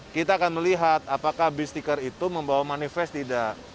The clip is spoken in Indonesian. kita akan melihat apakah bis stiker itu membawa manifest tidak